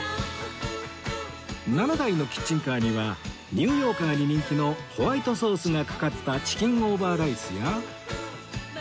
７台のキッチンカーにはニューヨーカーに人気のホワイトソースがかかったチキンオーバーライスや